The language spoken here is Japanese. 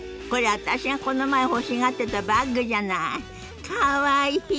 これ私がこの前欲しがってたバッグじゃない。